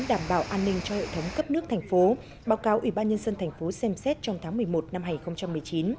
đảm bảo an ninh cho hệ thống cấp nước thành phố báo cáo ubnd tp xem xét trong tháng một mươi một năm hai nghìn một mươi chín